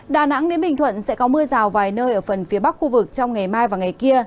đà nẵng đến bình thuận sẽ có mưa rào vài nơi ở phần phía bắc khu vực trong ngày mai và ngày kia